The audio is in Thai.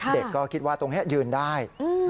เด็กก็คิดว่าตรงนี้ยืนได้